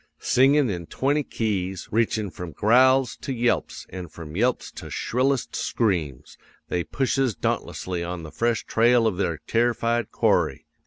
Singin' in twenty keys, reachin' from growls to yelps an' from yelps to shrillest screams, they pushes dauntlessly on the fresh trail of their terrified quarry.